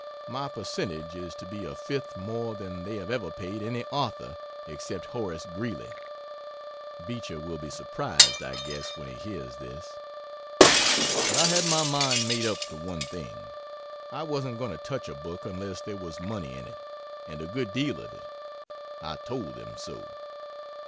My percentage is to be a fifth more than they have ever paid any author, except Horace Greeley. Beecher will be surprised, I guess, when he hears this. But I had my mind made up to one thing I wasn't going to touch a book unless there was money in it, and a good deal of it. I told them so.